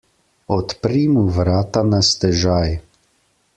Odpri mu vrata na stežaj!